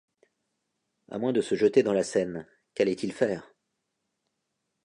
À moins de se jeter dans la Seine, qu’allait-il faire?